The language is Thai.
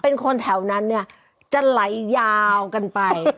เป็นคนแถวนั้นเนี่ยจะไหลยาวกันไป